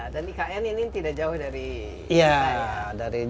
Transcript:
dan ikn ini tidak jauh dari ikn